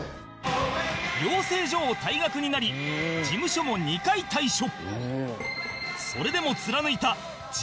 養成所を退学になり事務所も２回退所